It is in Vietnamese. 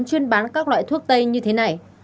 chuyên bán các loại thuốc tây như thế này